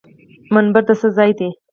منبر د څه ځای دی؟